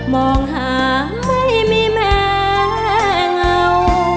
มองหาไม่มีแม่เงา